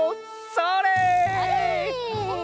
それ！